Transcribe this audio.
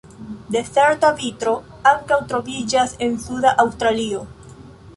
Dezerta vitro ankaŭ troviĝas en suda Aŭstralio.